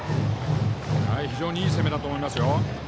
非常にいい攻めだと思いますよ。